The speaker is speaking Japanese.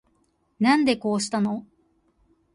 なんでこうしたの